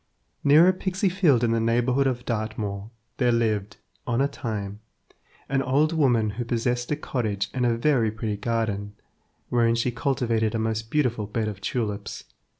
Near a pixy field in the neighbourhood of Dartmoor, there lived, on a time, an old woman who possessed a cottage and a very pretty garden, wherein she cultivated a most beautiful bed of tulips.